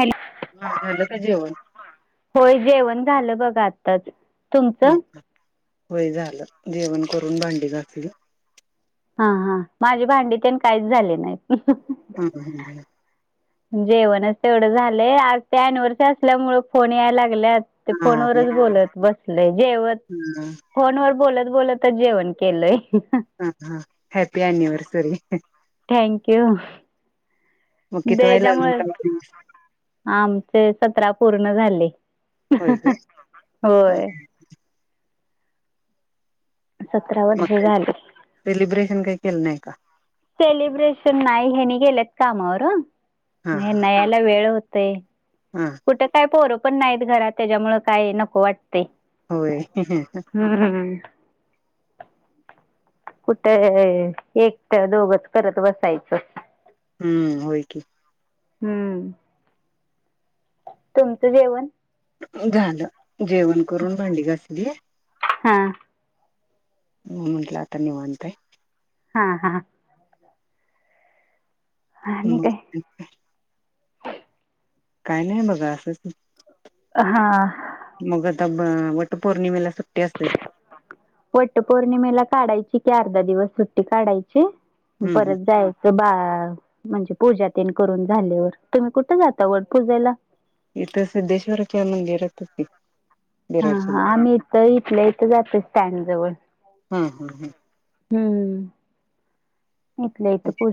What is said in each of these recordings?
Hello, हा झालं का जेवण होय जेवण झालं. बघ आताच. तुमचं? वय झालं, जेवण करून भांडी घासलं. हां-हां, माझे भांडी तेन काहीच झाले नाहीत. [unintelligible] जेवणच तेवढं झालंय. आज ते अनिव्हर्स असल्यामुळं फोन यायलागल्यात. ते हा ह फोनवरच बोलत बसले जेवत. ह फोन वर बोलत बला त जेवण केलंय. हां-हां, हॅपी एनिवर्सरी. Thank you. मग किती व्हाय देजामुळे, लागणार का दिवस आमचे सतरा पूर्ण झाले. होय काय? होय हं-हं सतरा वर्ष झाले. अन् काही केल नाही का? सेलब्रेशन नाही, हेनी गेलेत कामावर नाही ओ. हा म हा ह्याना यायला वेळ होत ते, हा कुटे काय पोरं पण नाहीत घरात तेज्यामुळे काय नको वाट ते होय हम्म कुठे, एक त दोघच करत बसायचं. हम्म होय की. हम्म तुमचं जेवण? झालं, जेवण करून भांडी घासलीय. हा हो म्हंटल आता नीवांताय. हां-हां आणि हम् काय काय नाही बघा असंच. हां तब वट पौर्णिमेला सु वट पौर्णिमेला काढायची की, अर्धा दिवस सुट्टी काढायची. हम्म परत जायचं बा - - हं म्हणजे पूजा तेण करून झाल्यावर तुम्ही कुठे जाता वट पूजेला? इथं सिद्धेश्वरच्या मंदिरातच की. बिराड हां. सिद्ध हां आम्ही इथं, इथल्या इथं जातोय स्टँडजवळ. हा हा हूं हूं.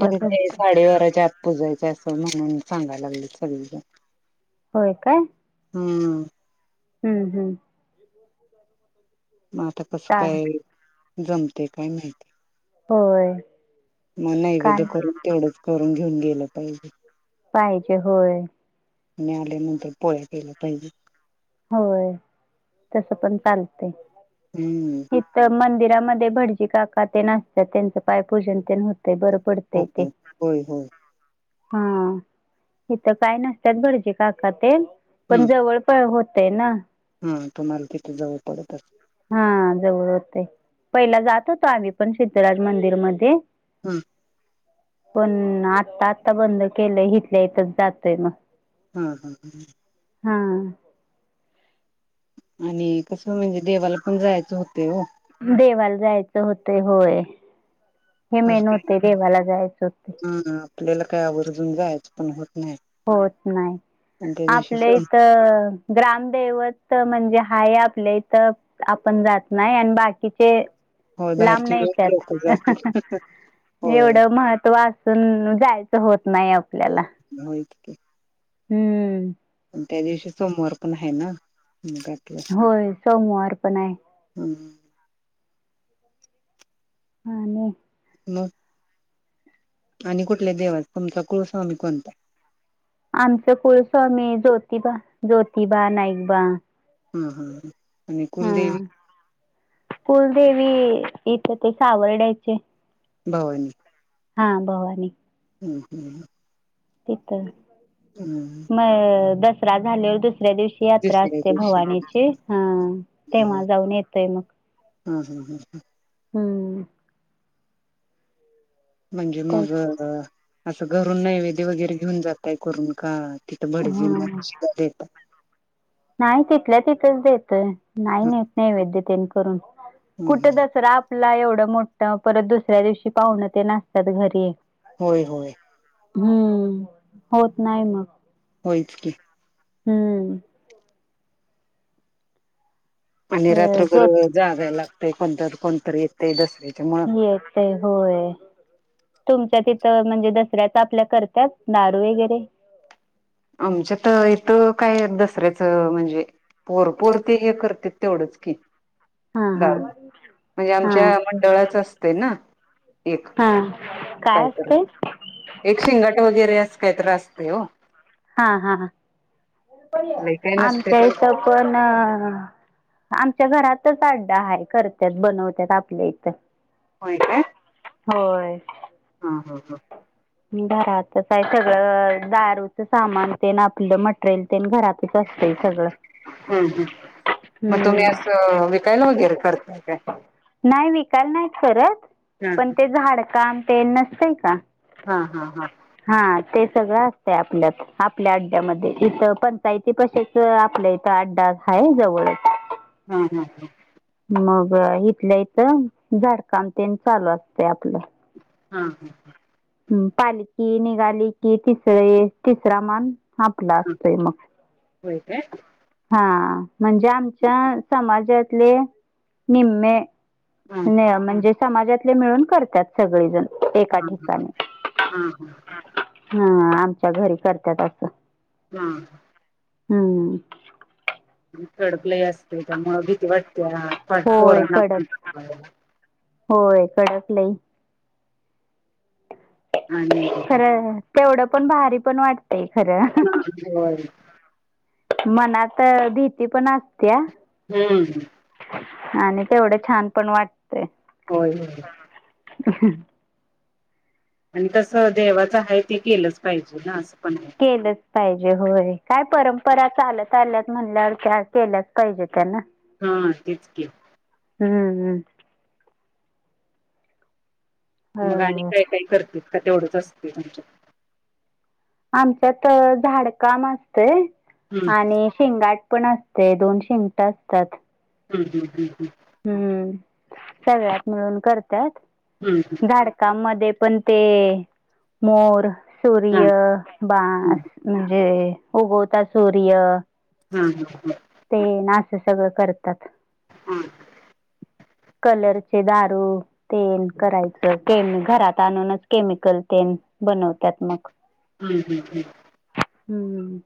पण ते साडे बाराच्या आत पुजायचं असत. म्हणून सांगायला लागलीत सगळीजण. होय काय? हम्म. हम्म, हम्म. मग आता कसं का काय जमतय काय माहिती? होय. मग नैवेद्य काय करून, तेवढंच करून घेऊन गेलं पाहिजे. पाहिजे, होय. आणि आल्यानंतर पोळ्या केल्या पाहिजेत. होय, तस पण चालतय. हम्म इथ मंदिर - - मध्ये भटजी काका तेण आसत्यात त्यांच पायपूजन तेण होतंय. ते बरं पडतय ते ओके. होय होय हा, इथ काय नसत्यात भटजी काका तेण पण जवळ पण हो- - तेना. मग तुम्हाला तिथ जवळ पडत असल. हा जवळ होतय. पहिला जात होतो आम्ही पण, सिद्धराज मंदिरमध्ये. हम्म. पण, आता आता बंद केलंय. इथल्या इथच जातोय मग. हं, हं. हां. आणि कसं म्हणजे देवाला पण जायचं होतय ओ. देवाला जायच होतय होय. हे असं मेन काही होतय देवाला जायच होते. हा आपल्याला काय आवर्जून जायचं पण हो - - होत नाही. दिवशी आपल्या सोम इथ ग्रामदैवत म्हणजे हाय आपल्या इथ आपण जात नाही आणि बाकीचे - होय - लांबन बाहेरची येत्यात, लोक जातील अहंह होय एवढं महत्त्व अ- - सून जायचं होत नाही आपल्याला. ते [inaudible] हम्म. त्या दिवशी सोमवार पण हाय ना. मग आपलं होय. सोमवार पण आहे. हम्म आणि - - मग. आणि कुठल्या देवाचं, तुमचा कुलस्वामी कोणता हाय? आमचं कुळस्वामी ज्योतिबा, ज्योतिबा-नाईकबा. हा हा ह आणि कुलदेवी? कुलदेवी इथं ते सावर्ड्याची- - भवानी. हा भवानी. हम्म ह. तथ मग दसरा झाल्यावर दुस ऱ्या दिवशी यात्रा दुसऱ्या असते दिवशी भवानीची. ह तेव्हा जाऊन येतोय मग. हम् हम् हम् ह हम्म म्हणजे तेच मग असं घरून नैवेद्य वगैरे घेऊन जातय करून का तिथं भडजींना हा [unintelligible] देताय नाही तिथल्या तिथंच देतय नाही ह नाहीेत नाही वद्यतेन करून कुठ ह दसरा आपला एवढं मोठ परत दुसऱ्या दिवशी पाहुणं ते असतात घरी होय होय हम्म होत नाही मग होयच की हम्म आणि अ, रात्रभर जोत जागायला लागतय कोणततर कोणतरी येत दसर येते होय तुमच्या तथ तर म्हणजे दसऱ्याचा आपल्या करतात, नारू वैगरे? आमच्यात इथ काय दसऱ्याच म्हणजे पोरपोर ते हे करतेत तेवढच की, हा हा दारू म्हणजे आमच्या हा मंडळाच असतय ना. एक हा काय कायतर असते एक शिंगाट वगैरे असं काहीतर असतय ओ हा हा लय काय नसते आमच्या पण इथ पण आमच्या घरातच अड्डा हाय करतात बनवतात आपल्या इथं. होय काय. होय. हा हा हा घरातच आहे सगळं दारूचं सामान तेन आपलं मटेरियल तेन घरातच असतय सगळं हम्म हम्म मग तुम्ही असं विकायला वगैरे करता. नाय विकायला नाय करत हा पण ते झाडकाम ते नसतंय का. हा हा हा हा ते सगळं असतय आपल्यात आपल्या अड्ड्यामध्ये इथ पंचायती कशाच आपल्या इथं अड्डा हाय जवळच हा हा हा मग इथल्या इथ झाडकामतेन चालू असतय आपलं हा हा हा हम् पालकी निघाली की तिसरे तिसरा मान आपला असतोय मग होय काय. हा म्हणजे आमच्या समाजातले निम्मे हा नाय म्हणजे समाजातले मिळून करतात सगळेजण हा एका हा ह ठिकाणी हा हा हा आमच्या घरी करत्यात असं हा- हूं कडक लय असतय त्यामुळ भीती वाटतय पट होय पोरांना कडक [unintelligible] होय कडक लई आणि [unintelligible] खरं तेवढं पण भारी पण वाट [unintelligible] मनात भीती पण असतेया. हम्म आणि तेवढं होय हो ह आणि तसं देवाचं आहे ते केलंच पाहिजे ना अस केलंच पाहिजे होय काय परंपरा चालत आल्यात म्हणल्यावर त्या केल्याच पाहिजे त्यांना हा तेच की हम्म हम् मग आणि हो काही काही करतेत का तेवढंच असते तुमच्यात आमच्यात झाडकाम असतय हम्म आणि शेंगाट पण असते दोन शिंगट असतात हम् ह्म ह् ह्म हम्म सगळ्यात मिळून करतात हम्म हम्म हम्म झाडकामध्ये पण ते मोर हा सूर्य बांस म्हणजे उगवता सूर्य हम् हम ह ते ना अस सगळं करतात हम कलरचे दारू तेल करायचं केम घरात आणूनच केमिकल तेल बनवत्यात मग हम्म हम्म हम्म हम्म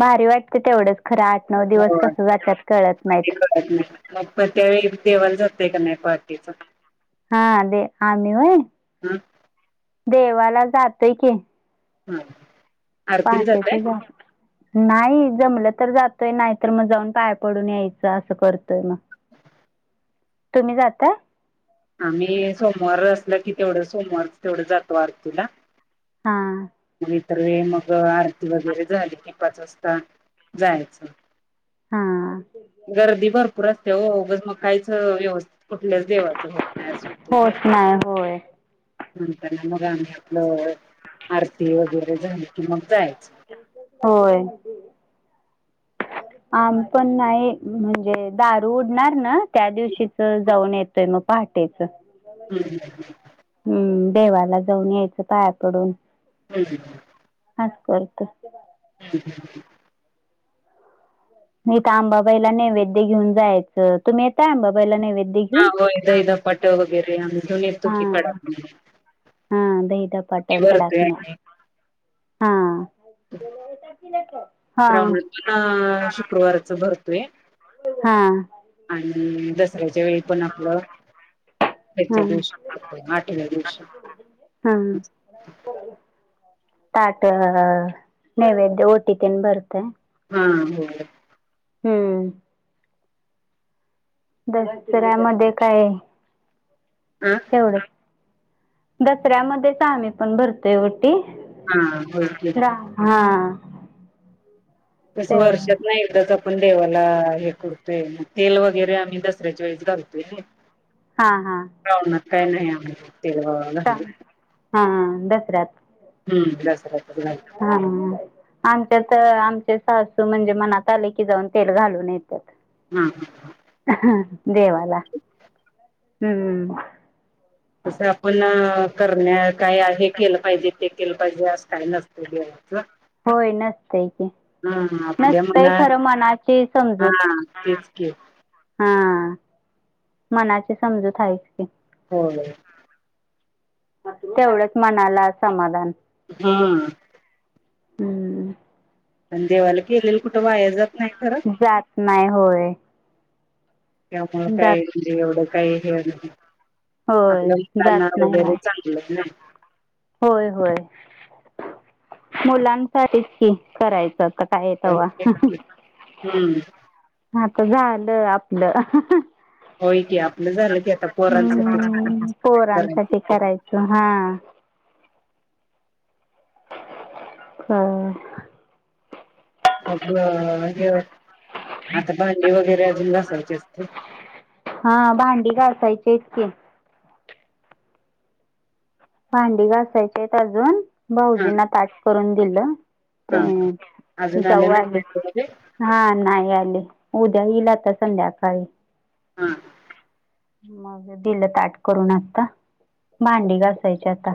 भारी वाटत तेवढंच खरं आठ नऊ दिवस होय. कस जातात कळत ते नाहीत कळत नाही मग पण त्यावेळी देवाला जातेय का नाही पहाटेच हा दे आम्ही होय हम देवाला जातय की हम् पहाटेच जा नाही जमलं तर जातोय नाही तर मग जाऊन पाया पडून यायचं असं करतोय मग तुम्ही जाताय आम्ही सोमवार असल की तेवढं सोमवारच तेवढं जातो आरतीला हा तर मग आरती वगैरे झाली की पाच वाजता जायाचं हा गर्दी भरपूर असते हो मग मग काहीच व्यवस्थित कुठल्याच देवाला होत नाही होय म्हणताना मग आम्ही आपलं आरती वगैरे झाली की मग जायाच होय आम्हीपण नाही म्हणजे दारू उडणार ना त्या दिवशीच जाऊन येतोय मग. पहाटेच. हम्म हम्म. हम्म. देवाला जाऊन यायचं पायापडून. [unintelligible] असं करत. [unintelligible] नाही तर आंबाबाईला नैवेद्य घेऊन जायचं. तुम्ही येताय आंबाबाईला नैवेद्य हा घेऊन होय. दही धपाटे वगैरे घेऊन येतो हा की हा. कडाकणी दही, धपाटे, ते भरतोय कडाकन्या. हा. हा राहून शुक्रवारच भरतोय. हा आणि दसऱ्याच्या वेळी पण आपलं हा त्याच्या दिवशी आठल्या दिवशी हा ताट नैवेवेद्य ओटी तिन बरते हा हो. हम्म दसऱ्यामध्ये काय. हा तेवढं दसऱ्यामध्येच आम्ही पण भरतोयव हा होय की हा तस ते वर्षात नाही आपण देवाला हे करडतोय तेल वगैरे आम्ही दसऱ्याच्या वेळेस घालतोय हा हा रानात काही नाही आमच हा दसरात हम्म दसऱ्यातच घालतो हा आच्यात आम सासू म्हणजे मनात आले की जाऊन तेल घालून येतात. हम ह देवाला हम्म. तसं आपण करण्या काय हे केलं पाहिजे ते केलं पाहिजे अस काही नसत होय नसतंय की हा आपल्या नसतंय मनात खरं मनाची हा समजूत तेच के हा मनाची समजूत हायच की हो ना तेवढंच मनाला समाधान हम्म हम्म. पण देवाला केलेलं कुठ वाया जात नाही खरं जात नाही होय त्यामुळे काही जात म्हजे एवढं काही हेण होय जात नाही चांगलं होय होय मुलांसाठी की करायचं. का येत नाही हम्म हा तर झालं आपलं होय की आपलं झालं की आता पोरांसाठीच. हम्म पोरांसाठी करायचं हा हा अ आता भांडी वगैरे अजून घासायचे असते हा भांडी घासायची आहेत की भांडी घासायचे अजून हा भाऊजींना ताट करून दिलं हा हा ते अजून जाऊ आले नाही ते. हा नाही आले. उद्या येईल आता संध्याकाळी. हा ह मग दिल ताट करून आता भांडी घासून घासायची आता